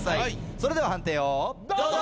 それでは判定をどうぞ！